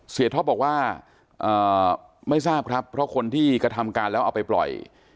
ท็อปบอกว่าไม่ทราบครับเพราะคนที่กระทำการแล้วเอาไปปล่อย